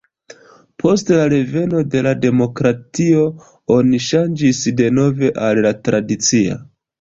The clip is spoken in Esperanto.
Post la reveno de la demokratio oni ŝanĝis denove al la tradicia.